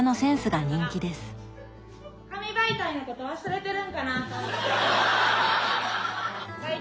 紙媒体のこと忘れてるんかなと。